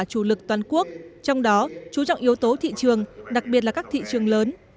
chủ lực toàn quốc trong đó chú trọng yếu tố thị trường đặc biệt là các thị trường lớn